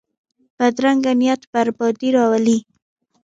بدرنګه نیت بربادي راولي